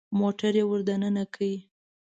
موټر يې ور دننه کړ.